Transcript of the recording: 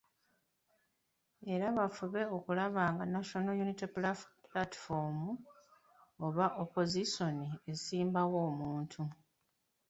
Era bafube okulaba nga National Unity Platform oba Opozisoni esimbawo omuntu.